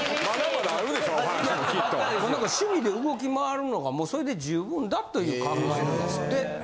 もう何か趣味で動き回るのがもうそれで十分だという考えなんですって。